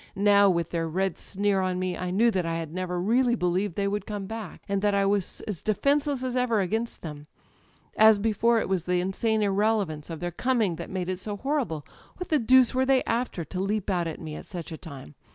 Now, with their red sneer on me, I knew that I had never really believed they would come back, and that I was as defenceless as ever against them ... As before, it was the insane irrelevance of their coming that made it so horrible. What the deuce were they after, to leap out at me at such a time?